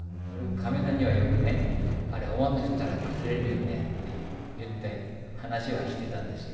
かみさんにはよくね、あれ、大雨降ったら崩れよねって言って、話はしてたんですよ。